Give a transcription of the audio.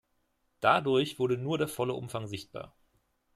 Dadurch wurde nur der volle Umfang sichtbar.